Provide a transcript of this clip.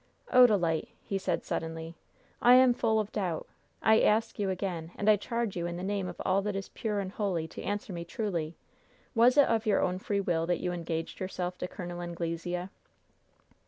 "Odalite," he said, suddenly, "I am full of doubt. I ask you again, and I charge you in the name of all that is pure and holy, to answer me truly: Was it of your own free will that you engaged yourself to Col. Anglesea?"